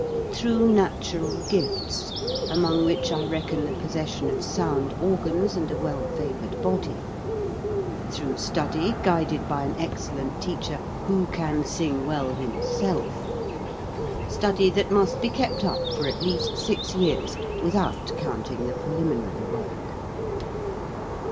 Through natural gifts, among which I reckon the possession of sound organs and a well favored body; through study guided by an excellent teacher who can sing well himself, study that must be kept up for at least six years, without counting the preliminary work.